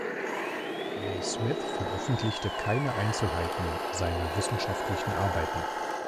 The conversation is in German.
Leigh Smith veröffentlichte keine Einzelheiten seiner wissenschaftlichen Arbeiten.